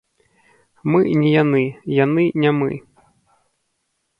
Мы не яны, яны не мы.